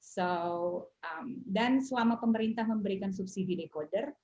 so dan selama pemerintah memberikan subsidi decoder